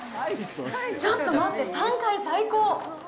ちょっと待って、３階、最高！